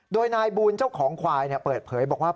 โดยนายบูลเจ้าของควายเปิดเผยบอกว่า